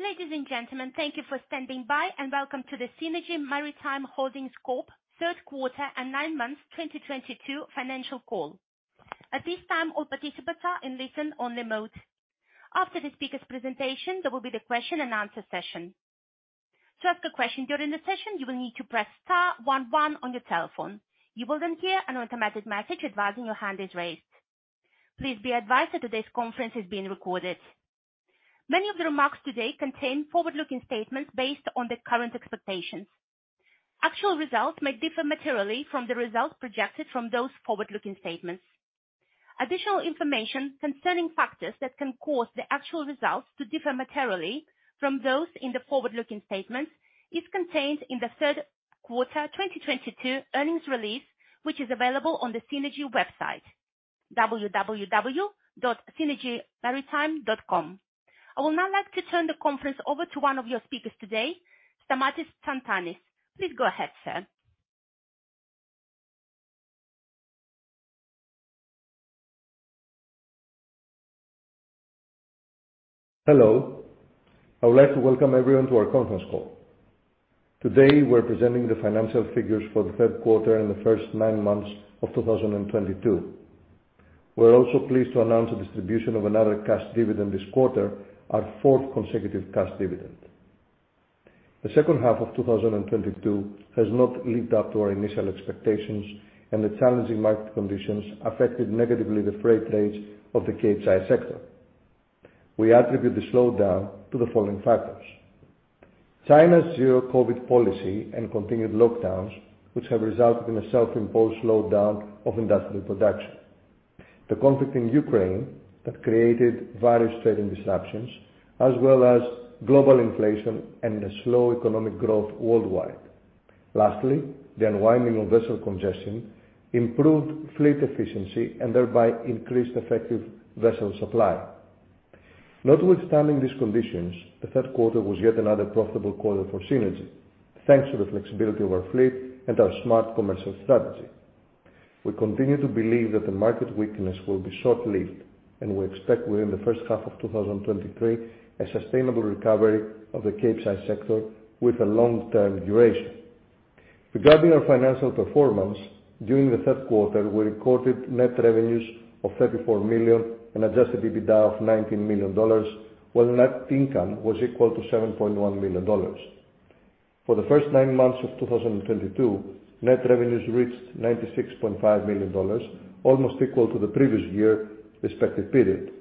Ladies and gentlemen, thank you for standing by, welcome to the Seanergy Maritime Holdings Corp third quarter and nine months 2022 financial call. At this time, all participants are in listen only mode. After the speaker's presentation, there will be the question and answer session. To ask a question during the session, you will need to press star one one on your telephone. You will then hear an automatic message advising your hand is raised. Please be advised that today's conference is being recorded. Many of the remarks today contain forward-looking statements based on the current expectations. Actual results may differ materially from the results projected from those forward-looking statements. Additional information concerning factors that can cause the actual results to differ materially from those in the forward-looking statements is contained in the third quarter 2022 earnings release, which is available on the Seanergy website, www.seanergymaritime.com. I would now like to turn the conference over to one of your speakers today, Stamatis Tsantanis. Please go ahead, sir. Hello. I would like to welcome everyone to our conference call. Today, we're presenting the financial figures for the third quarter and the first nine months of 2022. We're also pleased to announce the distribution of another cash dividend this quarter, our fourth consecutive cash dividend. The second half of 2022 has not lived up to our initial expectations, and the challenging market conditions affected negatively the freight rates of the Capesize sector. We attribute the slowdown to the following factors: China's zero-COVID policy and continued lockdowns, which have resulted in a self-imposed slowdown of industrial production, the conflict in Ukraine that created various trading disruptions, as well as global inflation and a slow economic growth worldwide. Lastly, the unwinding of vessel congestion improved fleet efficiency and thereby increased effective vessel supply. Notwithstanding these conditions, the third quarter was yet another profitable quarter for Seanergy, thanks to the flexibility of our fleet and our smart commercial strategy. We continue to believe that the market weakness will be short-lived, and we expect within the first half of 2023 a sustainable recovery of the Capesize sector with a long-term duration. Regarding our financial performance, during the third quarter, we recorded net revenues of $34 million and adjusted EBITDA of $19 million, while net income was equal to $7.1 million. For the first nine months of 2022, net revenues reached $96.5 million, almost equal to the previous year respective period.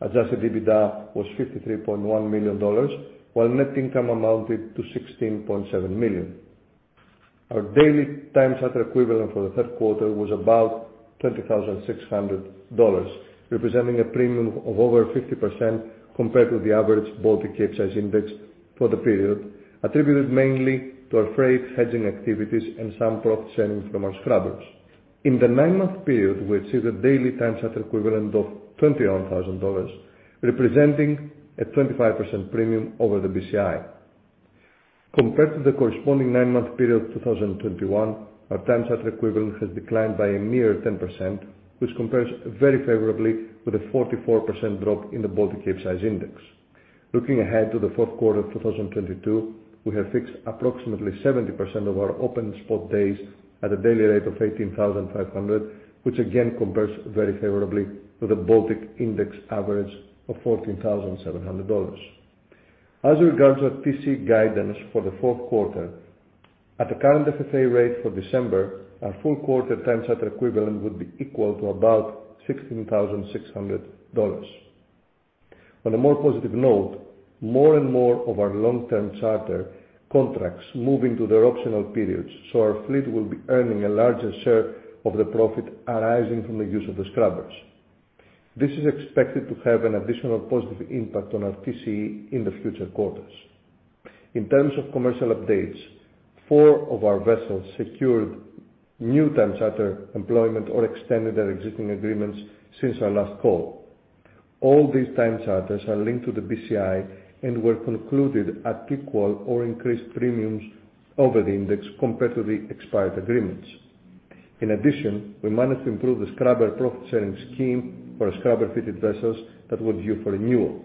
Adjusted EBITDA was $53.1 million, while net income amounted to $16.7 million. Our daily time charter equivalent for the third quarter was about $20,600, representing a premium of over 50% compared to the average Baltic Capesize Index for the period, attributed mainly to our freight hedging activities and some profit sharing from our scrubbers. In the nine-month period, we achieved a daily time charter equivalent of $21,000, representing a 25% premium over the BCI. Compared to the corresponding nine-month period of 2021, our time charter equivalent has declined by a mere 10%, which compares very favorably with a 44% drop in the Baltic Capesize Index. Looking ahead to the fourth quarter of 2022, we have fixed approximately 70% of our open spot days at a daily rate of $18,500, which again compares very favorably to the Baltic Index average of $14,700. As regards our TCE guidance for the fourth quarter, at the current FFA rate for December, our full quarter times charter equivalent would be equal to about $16,600. On a more positive note, more and more of our long-term charter contracts move into their optional periods, so our fleet will be earning a larger share of the profit arising from the use of the scrubbers. This is expected to have an additional positive impact on our TCE in the future quarters. In terms of commercial updates, four of our vessels secured new times charter employment or extended their existing agreements since our last call. All these times charters are linked to the BCI and were concluded at equal or increased premiums over the index compared to the expired agreements. In addition, we managed to improve the scrubber profit-sharing scheme for scrubber-fitted vessels that were due for renewal.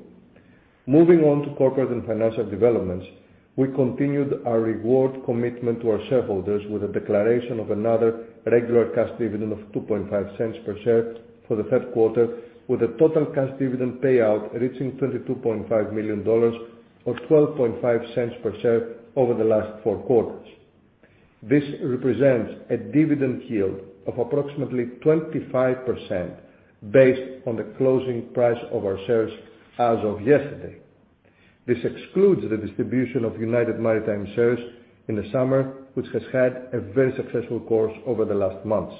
Moving on to corporate and financial developments, we continued our reward commitment to our shareholders with a declaration of another regular cash dividend of $0.025 per share for the third quarter, with a total cash dividend payout reaching $22.5 million or $0.125 per share over the last four quarters. This represents a dividend yield of approximately 25% based on the closing price of our shares as of yesterday. This excludes the distribution of United Maritime shares in the summer, which has had a very successful course over the last months.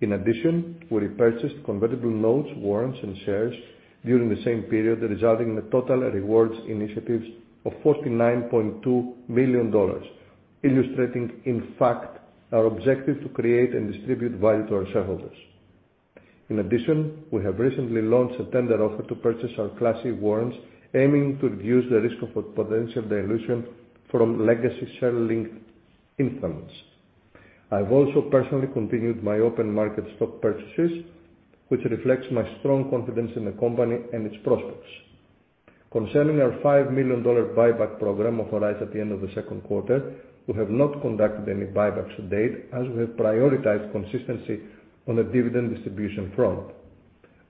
We repurchased convertible notes, warrants, and shares during the same period, resulting in a total rewards initiatives of $49.2 million, illustrating in fact our objective to create and distribute value to our shareholders. We have recently launched a tender offer to purchase our Class C warrants, aiming to reduce the risk of a potential dilution from legacy share-linked instruments. I've also personally continued my open market stock purchases, which reflects my strong confidence in the company and its prospects. Concerning our $5 million buyback program authorized at the end of the second quarter, we have not conducted any buybacks to date as we have prioritized consistency on the dividend distribution front.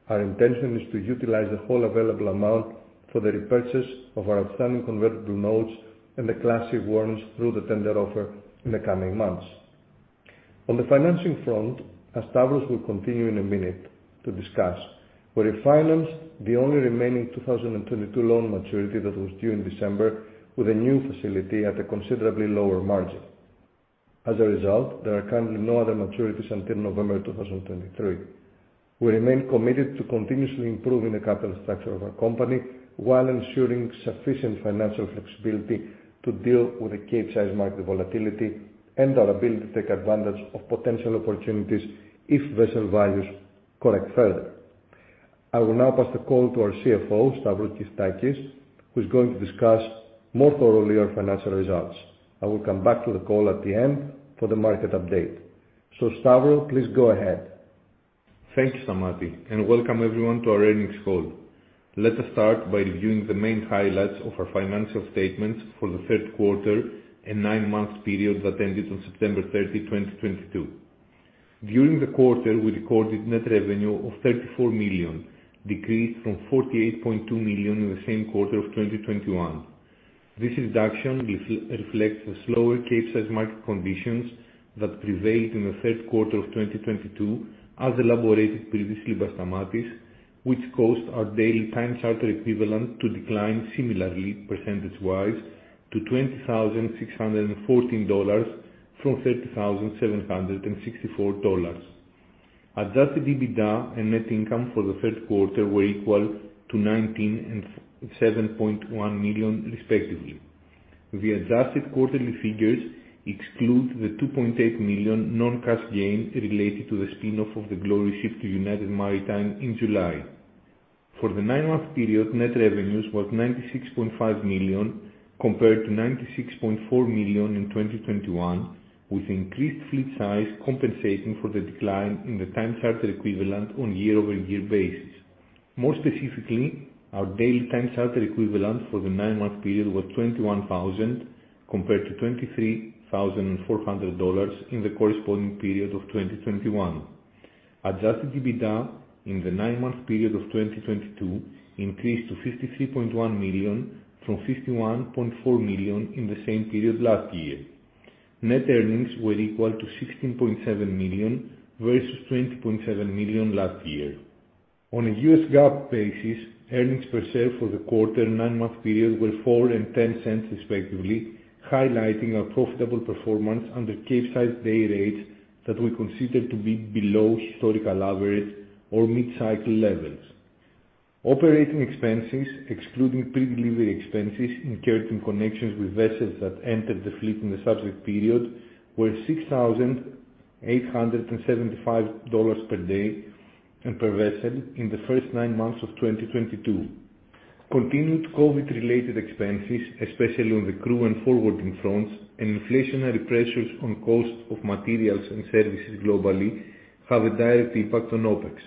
Our intention is to utilize the whole available amount for the repurchase of our outstanding convertible notes and the Class C warrants through the tender offer in the coming months. On the financing front, as Stavros will continue in a minute to discuss, we refinanced the only remaining 2022 loan maturity that was due in December with a new facility at a considerably lower margin. There are currently no other maturities until November 2023. We remain committed to continuously improving the capital structure of our company while ensuring sufficient financial flexibility to deal with the Capesize market volatility and our ability to take advantage of potential opportunities if vessel values correct further. I will now pass the call to our CFO, Stavros Gkistakis, who is going to discuss more thoroughly our financial results. I will come back to the call at the end for the market update. Stavros, please go ahead. Thank you, Stamatis. Welcome everyone to our earnings call. Let us start by reviewing the main highlights of our financial statements for the third quarter and nine-month period that ended on September 30, 2022. During the quarter, we recorded net revenue of $34 million, decreased from $48.2 million in the same quarter of 2021. This reduction reflects the slower Capesize market conditions that prevailed in the third quarter of 2022, as elaborated previously by Stamatis, which caused our daily time charter equivalent to decline similarly percentage-wise to $20,614 from $30,764. Adjusted EBITDA and net income for the third quarter were equal to $19 million and $7.1 million, respectively. The adjusted quarterly figures exclude the $2.8 million non-cash gain related to the spin-off of the Gloriuship to United Maritime in July. For the nine-month period, net revenues was $96.5 million compared to $96.4 million in 2021, with increased fleet size compensating for the decline in the time charter equivalent on year-over-year basis. More specifically, our daily time charter equivalent for the nine-month period was $21,000 compared to $23,400 in the corresponding period of 2021. Adjusted EBITDA in the nine-month period of 2022 increased to $53.1 million from $51.4 million in the same period last year. Net earnings were equal to $16.7 million versus $20.7 million last year. On a U.S. GAAP basis, earnings per share for the quarter nine-month period were $0.04 and $0.10 respectively, highlighting our profitable performance under Capesize day rates that we consider to be below historical average or mid-cycle levels. Operating expenses, excluding pre-delivery expenses incurred in connections with vessels that entered the fleet in the subject period, were $6,875 per day and per vessel in the first nine months of 2022. Continued COVID-related expenses, especially on the crew and forwarding fronts, inflationary pressures on cost of materials and services globally have a direct impact on OpEx.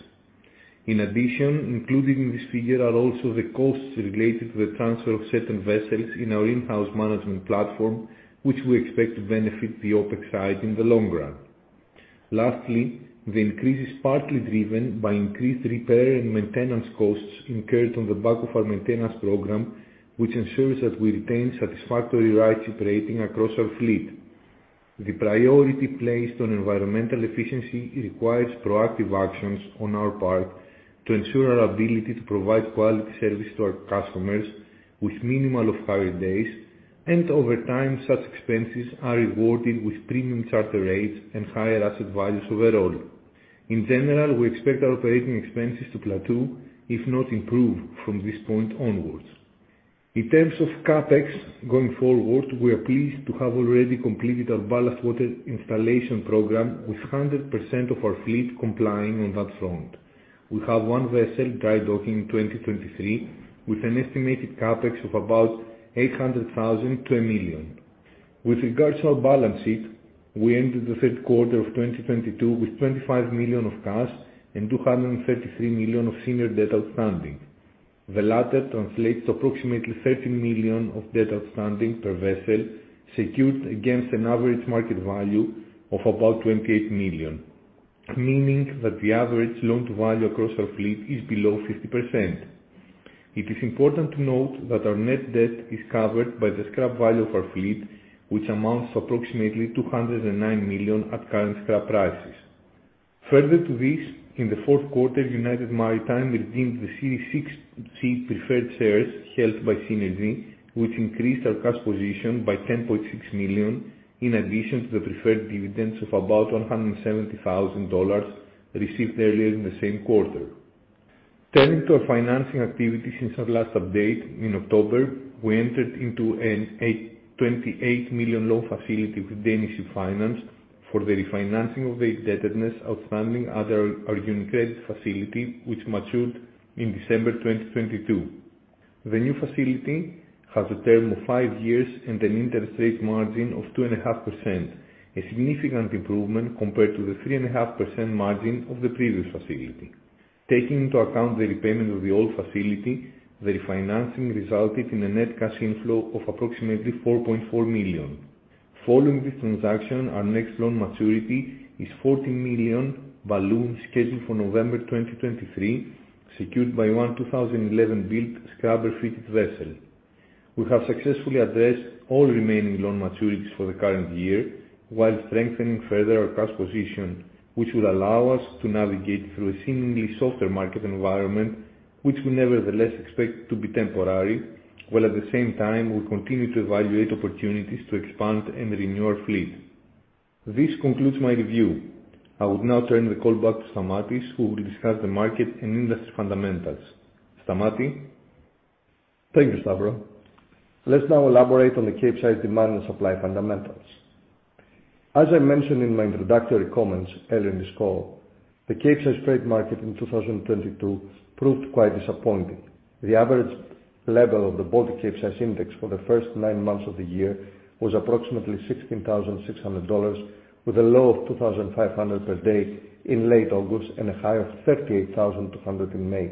In addition, included in this figure are also the costs related to the transfer of certain vessels in our in-house management platform, which we expect to benefit the OpEx side in the long run. Lastly, the increase is partly driven by increased repair and maintenance costs incurred on the back of our maintenance program, which ensures that we retain satisfactory rights operating across our fleet. The priority placed on environmental efficiency requires proactive actions on our part to ensure our ability to provide quality service to our customers with minimal off-hire days, and over time, such expenses are rewarded with premium charter rates and higher asset values overall. In general, we expect our operating expenses to plateau, if not improve, from this point onwards. In terms of CapEx going forward, we are pleased to have already completed our ballast water installation program with 100% of our fleet complying on that front. We have one vessel dry docking in 2023 with an estimated CapEx of about $800,000 to $1 million. With regards to our balance sheet, we ended the third quarter of 2022 with $25 million of cash and $233 million of senior debt outstanding. The latter translates to approximately $13 million of debt outstanding per vessel secured against an average market value of about $28 million, meaning that the average loan-to-value across our fleet is below 50%. It is important to note that our net debt is covered by the scrap value of our fleet, which amounts to approximately $209 million at current scrap prices. Further to this, in the fourth quarter, United Maritime redeemed the Series C preferred shares held by Seanergy, which increased our cash position by $10.6 million, in addition to the preferred dividends of about $170,000 received earlier in the same quarter. Turning to our financing activity since our last update in October, we entered into an $28 million loan facility with Danish Ship Finance for the refinancing of the indebtedness outstanding under our UniCredit facility, which matured in December 2022. The new facility has a term of five years and an interest rate margin of 2.5%, a significant improvement compared to the 3.5% margin of the previous facility. Taking into account the repayment of the old facility, the refinancing resulted in a net cash inflow of approximately $4.4 million. Following this transaction, our next loan maturity is a $40 million balloon scheduled for November 2023, secured by one 2011-built scrubber-fitted vessel. We have successfully addressed all remaining loan maturities for the current year while strengthening further our cash position, which will allow us to navigate through a seemingly softer market environment, which we nevertheless expect to be temporary, while at the same time we continue to evaluate opportunities to expand and renew our fleet. This concludes my review. I would now turn the call back to Stamatis, who will discuss the market and industry fundamentals. Stamatis? Thank you, Stavros. Let's now elaborate on the Capesize demand and supply fundamentals. As I mentioned in my introductory comments earlier in this call, the Capesize freight market in 2022 proved quite disappointing. The average level of the Baltic Capesize Index for the first nine months of the year was approximately $16,600, with a low of $2,500 per day in late August and a high of $38,200 in May,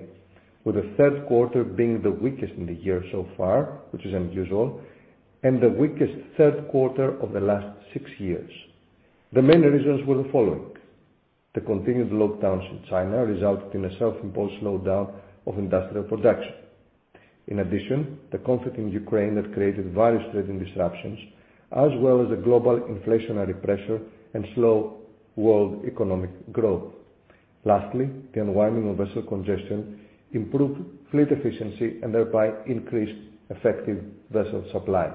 with the third quarter being the weakest in the year so far, which is unusual, and the weakest third quarter of the last six years. The main reasons were the following: the continued lockdowns in China resulted in a self-imposed slowdown of industrial production. The conflict in Ukraine that created various trading disruptions, as well as the global inflationary pressure and slow world economic growth. Lastly, the unwinding of vessel congestion improved fleet efficiency and thereby increased effective vessel supply.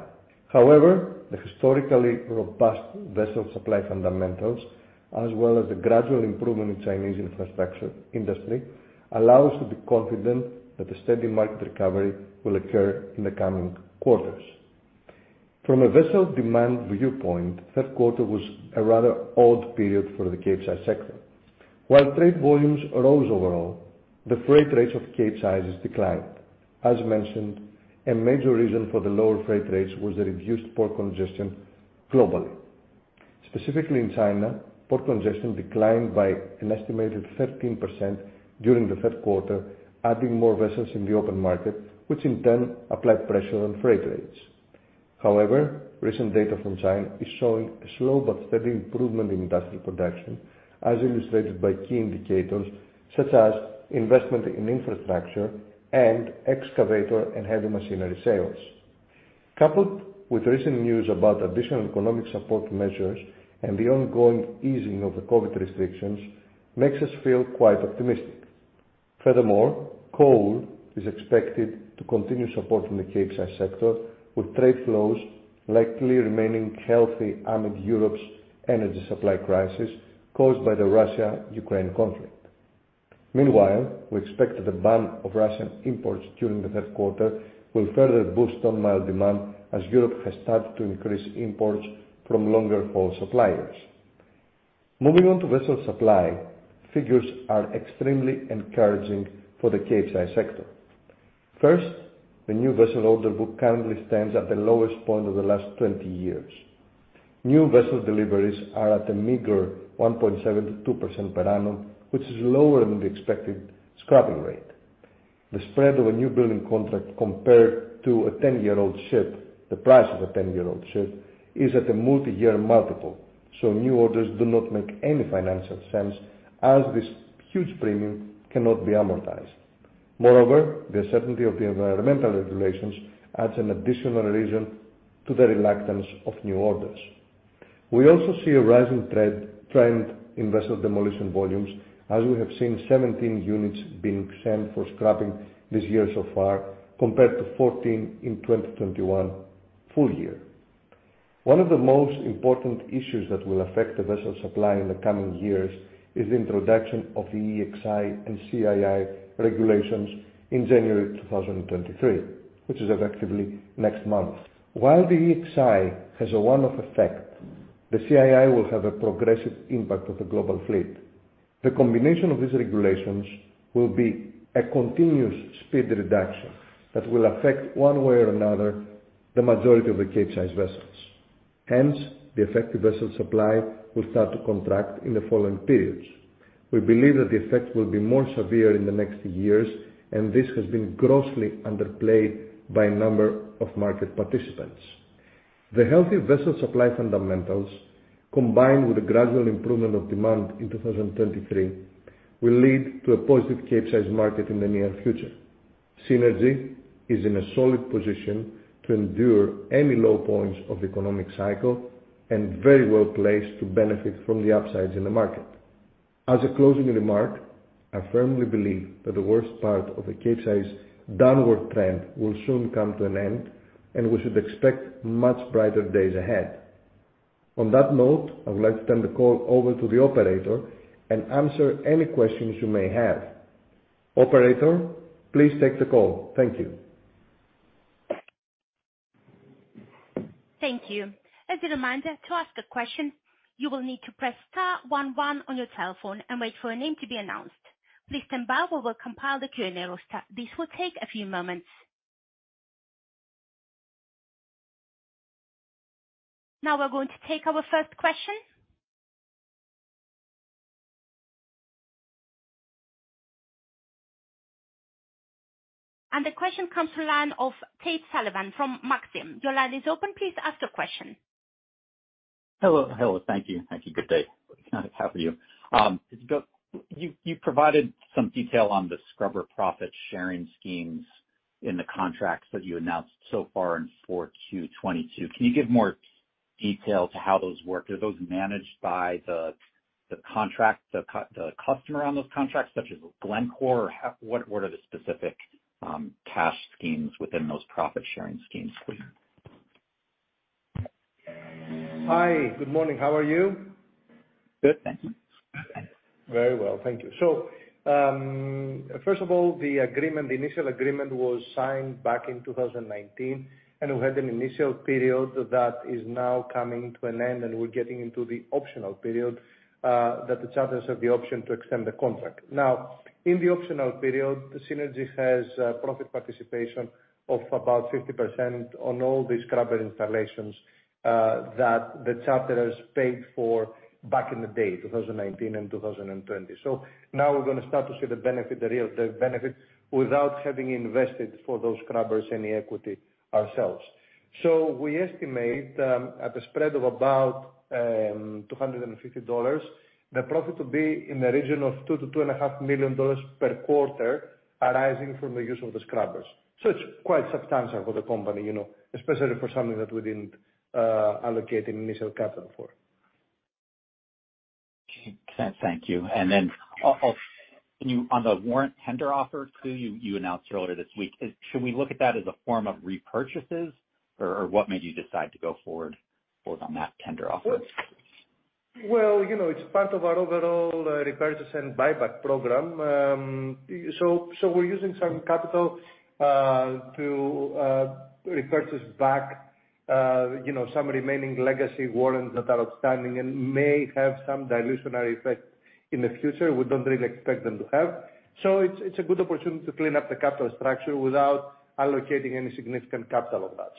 The historically robust vessel supply fundamentals, as well as the gradual improvement in Chinese infrastructure industry, allow us to be confident that a steady market recovery will occur in the coming quarters. From a vessel demand viewpoint, third quarter was a rather odd period for the Capesize sector. While trade volumes rose overall, the freight rates of Capesizes declined. As mentioned, a major reason for the lower freight rates was the reduced port congestion globally. Specifically in China, port congestion declined by an estimated 15% during the third quarter, adding more vessels in the open market, which in turn applied pressure on freight rates. However, recent data from China is showing a slow but steady improvement in industrial production, as illustrated by key indicators such as investment in infrastructure and excavator and heavy machinery sales. Coupled with recent news about additional economic support measures and the ongoing easing of the COVID restrictions makes us feel quite optimistic. Furthermore, coal is expected to continue supporting the Capesize sector, with trade flows likely remaining healthy amid Europe's energy supply crisis caused by the Russia-Ukraine conflict. Meanwhile, we expect that the ban of Russian imports during the third quarter will further boost ton-mile demand as Europe has started to increase imports from longer-haul suppliers. Moving on to vessel supply, figures are extremely encouraging for the Capesize sector. First, the new vessel order book currently stands at the lowest point of the last 20 years. New vessel deliveries are at a meager 1.7% to 2% per annum, which is lower than the expected scrapping rate. The spread of a newbuilding contract compared to a 10-year-old ship, the price of a 10-year-old ship, is at a multi-year multiple. New orders do not make any financial sense as this huge premium cannot be amortized. Moreover, the uncertainty of the environmental regulations adds an additional reason to the reluctance of new orders. We also see a rising trend in vessel demolition volumes, as we have seen 17 units being sent for scrapping this year so far, compared to 14 in 2021 full year. One of the most important issues that will affect the vessel supply in the coming years is the introduction of the EEXI and CII regulations in January 2023, which is effectively next month. While the EEXI has a one-off effect, the CII will have a progressive impact on the global fleet. The combination of these regulations will be a continuous speed reduction that will affect, one way or another, the majority of the Capesize vessels. Hence, the effective vessel supply will start to contract in the following periods. We believe that the effect will be more severe in the next years, and this has been grossly underplayed by a number of market participants. The healthy vessel supply fundamentals, combined with the gradual improvement of demand in 2023, will lead to a positive Capesize market in the near future. Seanergy is in a solid position to endure any low points of the economic cycle and very well placed to benefit from the upsides in the market. As a closing remark, I firmly believe that the worst part of the Capesize downward trend will soon come to an end. We should expect much brighter days ahead. On that note, I would like to turn the call over to the operator and answer any questions you may have. Operator, please take the call. Thank you. Thank you. As a reminder, to ask a question, you will need to press star one one on your telephone and wait for a name to be announced. Please stand by, we will compile the Q&A roster. This will take a few moments. Now we're going to take our first question. The question comes to line of Tate Sullivan from Maxim. Your line is open. Please ask your question. Hello. Thank you. Good day. Kind of half of you. You provided some detail on the scrubber profit-sharing schemes in the contracts that you announced so far in 4Q 2022. Can you give more detail to how those work? Are those managed by the contract, the customer on those contracts, such as Glencore? Or what are the specific cash schemes within those profit-sharing schemes, please? Hi. Good morning. How are you? Good, thank you. Very well. Thank you. First of all, the agreement, the initial agreement was signed back in 2019, and we had an initial period that is now coming to an end, and we're getting into the optional period that the charters have the option to extend the contract. Now, in the optional period, Seanergy has a profit participation of about 50% on all the scrubber installations that the charterers paid for back in the day, 2019 and 2020. Now we're gonna start to see the benefit, the real benefit, without having invested for those scrubbers any equity ourselves. We estimate, at a spread of about $250, the profit to be in the region of $2 million-$2.5 million per quarter arising from the use of the scrubbers. It's quite substantial for the company, you know, especially for something that we didn't allocate any initial capital for. Okay. Thank you. Can you on the warrant tender offer too, you announced earlier this week, is, should we look at that as a form of repurchases? What made you decide to go forward on that tender offer? Well, you know, it's part of our overall repurchase and buyback program. We're using some capital to repurchase back, you know, some remaining legacy warrants that are outstanding and may have some dilutionary effect in the future. We don't really expect them to have. It's a good opportunity to clean up the capital structure without allocating any significant capital of that.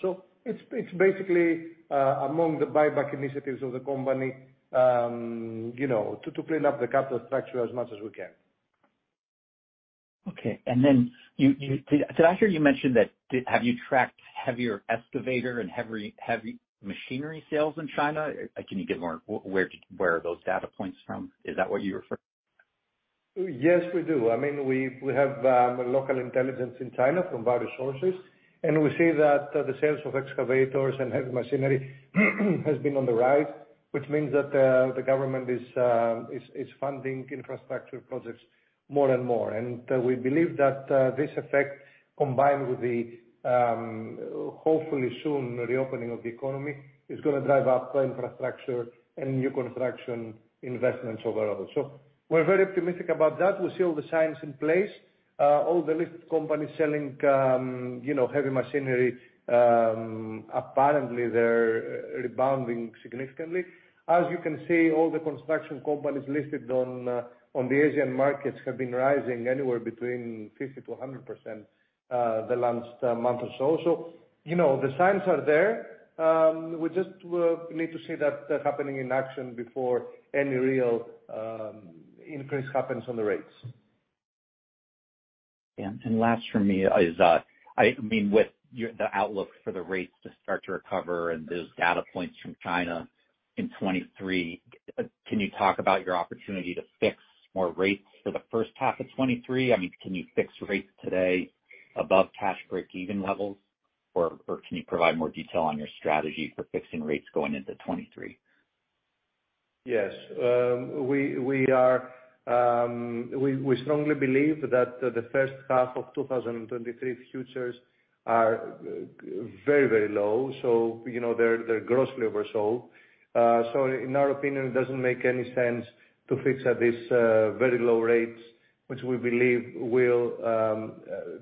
It's basically among the buyback initiatives of the company, you know, to clean up the capital structure as much as we can. Okay. Did I hear you mention that, have you tracked heavier excavator and heavy machinery sales in China? Can you give more, where did, where are those data points from? Is that what you were referring? Yes, we do. I mean, we have local intelligence in China from various sources, we see that the sales of excavators and heavy machinery has been on the rise, which means that the government is funding infrastructure projects more and more. We believe that this effect, combined with the hopefully soon reopening of the economy, is gonna drive up infrastructure and new construction investments overall. We're very optimistic about that. We see all the signs in place. All the listed companies selling, you know, heavy machinery, apparently they're rebounding significantly. You can see, all the construction companies listed on the Asian markets have been rising anywhere between 50%-100% the last month or so. You know, the signs are there. We just need to see that happening in action before any real increase happens on the rates. Yeah. Last from me is, I mean, with your, the outlook for the rates to start to recover and those data points from China in 2023, can you talk about your opportunity to fix more rates for the first half of 2023? I mean, can you fix rates today above cash break-even levels? Or can you provide more detail on your strategy for fixing rates going into 2023? Yes. We strongly believe that the first half of 2023 futures are very, very low, so, you know, they're grossly oversold. In our opinion, it doesn't make any sense to fix at these very low rates, which we believe will,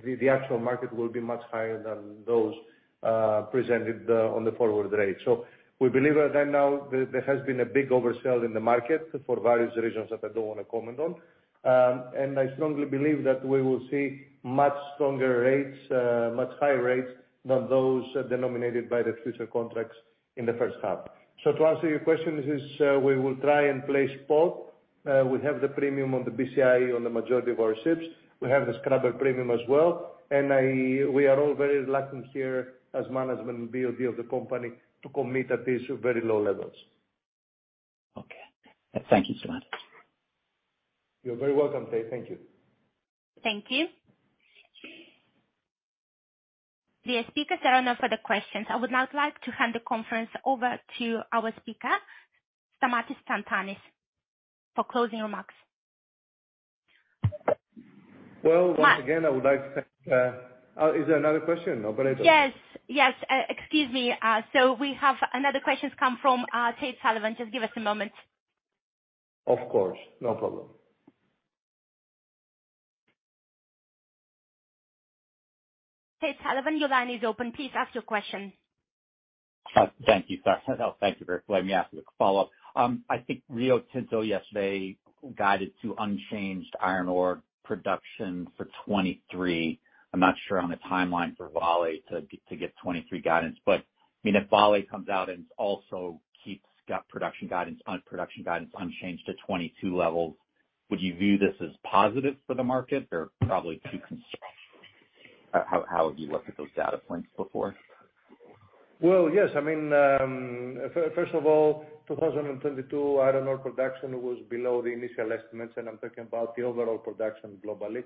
the actual market will be much higher than those presented on the forward rate. We believe that right now there has been a big oversell in the market for various reasons that I don't want to comment on. I strongly believe that we will see much stronger rates, much higher rates than those denominated by the future contracts in the first half. To answer your question, this is, we will try and play spot. We have the premium on the BCI on the majority of our ships. We have the scrubber premium as well. We are all very reluctant here as management and BOD of the company to commit at these very low levels. Okay. Thank you, Stamatis. You're very welcome, Tate. Thank you. Thank you. Dear speakers, there are no further questions. I would now like to hand the conference over to our speaker, Stamatis Tsantanis for closing remarks. Well- Sta- Once again, I would like to thank, Oh, is there another question, operator? Yes, yes. Excuse me. We have another questions come from Tate Sullivan. Just give us a moment. Of course. No problem. Tate Sullivan, your line is open. Please ask your question. Thank you, sir. Thank you very for letting me ask the follow-up. I think Rio Tinto yesterday guided to unchanged iron ore production for 2023. I'm not sure on the timeline for Vale to give 2023 guidance, but I mean, if Vale comes out and also keeps production guidance unchanged to 2022 levels, would you view this as positive for the market or probably too concerned? How have you looked at those data points before? Yes. I mean, first of all, 2022 iron ore production was below the initial estimates, and I'm talking about the overall production globally,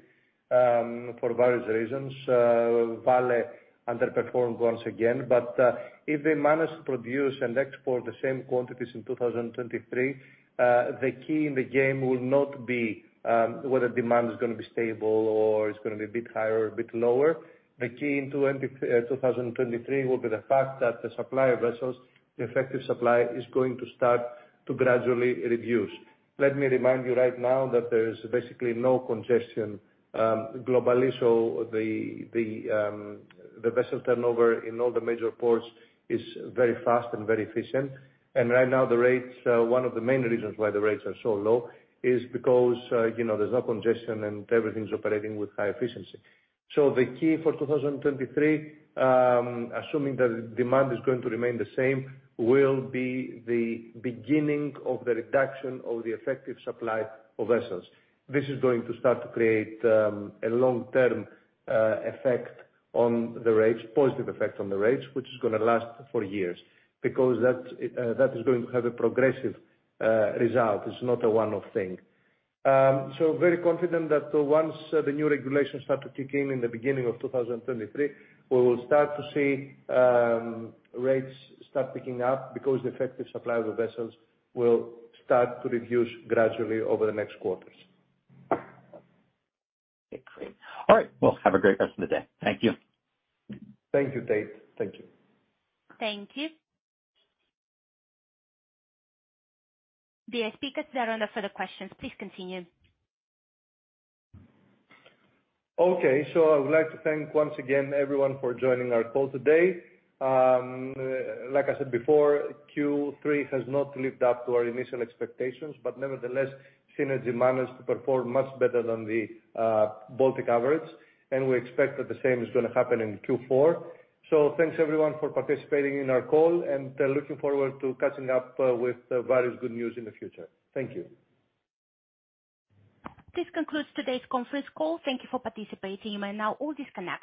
for various reasons. Vale underperformed once again, but, if they manage to produce and export the same quantities in 2023, the key in the game will not be whether demand is gonna be stable or it's gonna be a bit higher or a bit lower. The key in 2023 will be the fact that the supply of vessels, the effective supply, is going to start to gradually reduce. Let me remind you right now that there's basically no congestion globally, so the vessel turnover in all the major ports is very fast and very efficient. Right now, the rates, one of the main reasons why the rates are so low is because, you know, there's no congestion, and everything's operating with high efficiency. The key for 2023, assuming that demand is going to remain the same, will be the beginning of the reduction of the effective supply of vessels. This is going to start to create a long-term effect on the rates, positive effect on the rates, which is gonna last for years because that is going to have a progressive result. It's not a one-off thing. Very confident that once the new regulations start to kick in in the beginning of 2023, we will start to see rates start picking up because the effective supply of the vessels will start to reduce gradually over the next quarters. Okay. Great. All right. Well, have a great rest of the day. Thank you. Thank you, Tate. Thank you. Thank you. The speakers are done for further questions. Please continue. I would like to thank once again everyone for joining our call today. Like I said before, Q3 has not lived up to our initial expectations. Nevertheless, Seanergy managed to perform much better than the Baltic average. We expect that the same is gonna happen in Q4. Thanks everyone for participating in our call, and looking forward to catching up with various good news in the future. Thank you. This concludes today's conference call. Thank you for participating. You may now all disconnect.